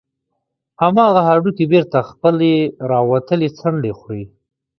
همغه هډوکى بېرته خپلې راوتلې څنډې خوري.